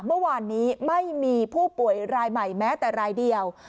เมื่อวานนี้ไม่มีผู้ป่วยรายใหม่แม้แต่รายเดียว